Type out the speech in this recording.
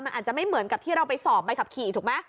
มันอาจจะไม่เหมือนกับที่เราไปสอบใบขับขี่ถูกไหม